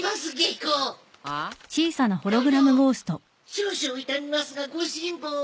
少々痛みますがご辛抱を。